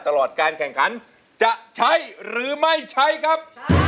ตลอดการแข่งขันจะใช้หรือไม่ใช้ครับ